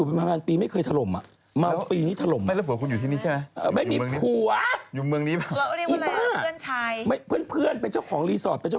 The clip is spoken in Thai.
เขารอให้เขามาขอสิ